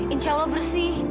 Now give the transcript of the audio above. insya allah bersih